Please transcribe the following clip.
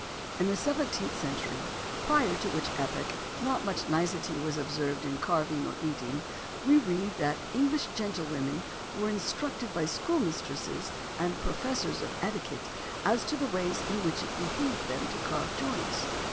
In the seventeenth century prior to which epoch not much nicety was observed in carving, or eating we read that "English gentlewomen were instructed by schoolmistresses and professors of etiquette as to the ways in which it behoved them to carve joints.